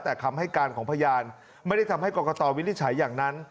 แต่คำให้การของพยานไม่ได้ทำให้กรกตวินิจฉัยอย่างนั้น